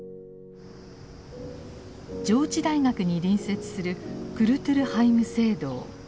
上智大学に隣接するクルトゥルハイム聖堂。